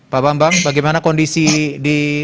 pak bambang bagaimana kondisi di